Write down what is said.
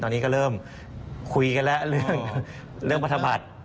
ตอนนี้ก็เริ่มคุยกันแล้วเรื่องปธบัตร